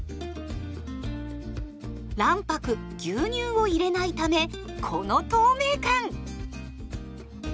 卵白牛乳を入れないためこの透明感！